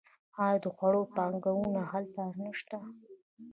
آیا د خوړو بانکونه هلته نشته؟